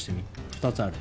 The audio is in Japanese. ２つある。